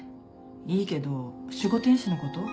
いいけど守護天使のこと？